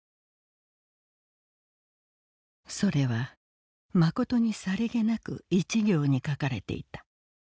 「それはまことにさりげなく一行に書かれていた。